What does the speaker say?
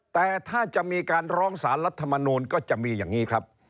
แต่ถ้าจะมีการร้องสารรัฐมนูลก็จะมีอย่างนี้ครับ